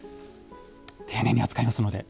丁寧に扱いますので！